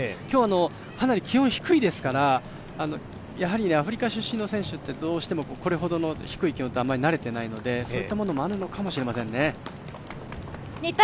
今日、かなり気温が低いですから、アフリカ出身の選手ってこれほどの低い気温って慣れていないので、そういったものもあるかもしれませんね。